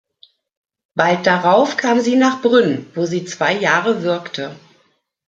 Bald darauf kam sie nach Brünn, wo sie zwei Jahre wirkte.